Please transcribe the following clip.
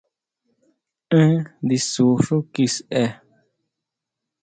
Én ndisú xú kiseʼe!